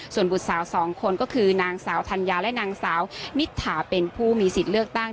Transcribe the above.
ส่วนบุตรสาวสองคนก็คือนางสาวธัญญาและนางสาวนิษฐาเป็นผู้มีสิทธิ์เลือกตั้ง